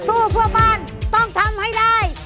สู้เพื่อบ้านต้องทำให้ได้